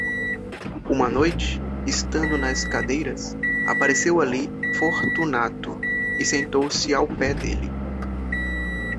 Uma noite, estando nas cadeiras, apareceu ali Fortunato, e sentou-se ao pé dele.